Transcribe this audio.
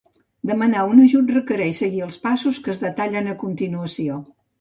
Demanar un ajut requereix seguir els passos que es detallen a continuació.